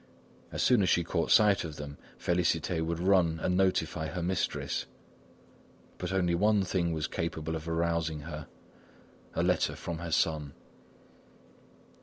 As soon as she caught sight of them, Félicité would run and notify her mistress. But only one thing was capable of arousing her: a letter from her son.